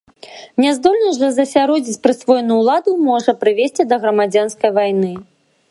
Няздольнасць жа засяродзіць прысвоеную ўладу можа прывесці да грамадзянскай вайны.